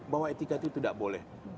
bahwa etika itu tidak boleh